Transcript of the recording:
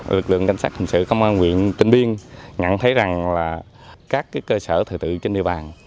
lực lượng cảnh sát hình sự công an huyện tịnh biên nhận thấy rằng là các cơ sở thừa tự trên địa bàn